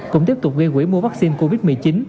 cũng tiếp tục gây quỹ mua vaccine covid một mươi chín